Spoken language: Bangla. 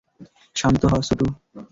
শান্ত হ, শুটু।